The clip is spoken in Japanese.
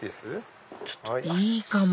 いいかも！